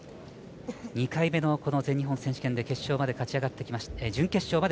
２回目の全日本選手権で準決勝まで勝ち上がってきました。